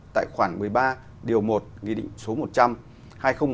câu hỏi của bà mỹ được quy định tại khoản ba điều một luật xây dựng năm hai nghìn một mươi bốn